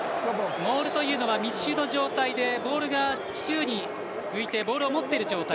モールというのは密集の状態でボールが宙に浮いてボールを持っている状態。